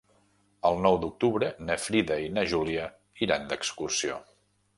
El nou d'octubre na Frida i na Júlia iran d'excursió.